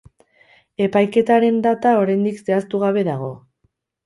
Epaiketaren data oraindik zehaztu gabe dago.